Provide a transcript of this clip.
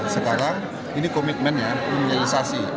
sekarang ini komitmennya ini realisasi